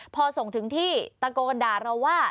พอส่งถึงที่ตะโกนด่าเราว่า